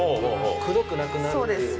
くどくなくなるっていうね